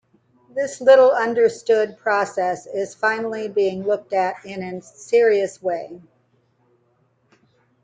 This little understood process is finally being looked at in a serious way.